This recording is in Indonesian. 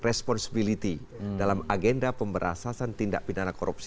responsibility dalam agenda pemberasasan tindak pidana korupsi